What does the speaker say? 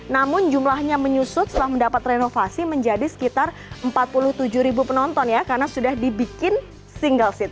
namun jumlahnya menyusut setelah mendapat renovasi menjadi sekitar empat puluh tujuh ribu penonton ya karena sudah dibikin single seat